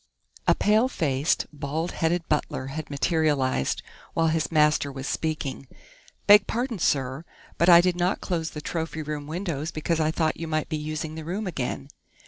A pale faced, bald headed butler had materialized while his master was speaking. "Beg pardon, sir, but I did not close the trophy room windows because I thought you might be using the room again....